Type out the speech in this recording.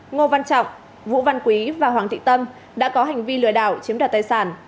ngô văn trọng vũ văn quý và hoàng thị tâm đã có hành vi lừa đảo chiếm đoạt tài sản